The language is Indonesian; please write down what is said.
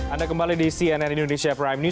anda kembali di cnn indonesia prime news